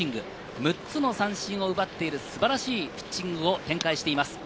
６つの三振を奪っている素晴らしいピッチングを展開しています。